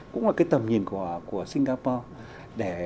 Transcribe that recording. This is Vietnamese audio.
cũng là cái tầm nhìn của singapore